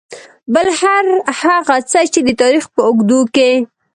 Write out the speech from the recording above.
بل هر هغه څه چې د تاريخ په اوږدو کې .